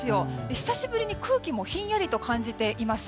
久しぶりに空気もひんやり感じています。